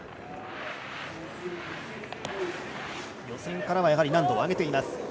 予選からは難度を上げています。